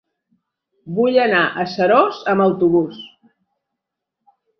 Vull anar a Seròs amb autobús.